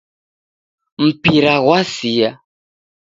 Mpira ghwasia